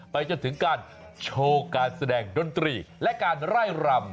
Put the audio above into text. ไปจนถึงการโชว์การแสดงดนตรีและการไล่รำ